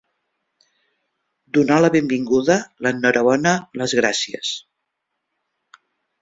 Donar la benvinguda, l'enhorabona, les gràcies.